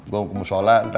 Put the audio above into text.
gue mau ke musyola gitu ya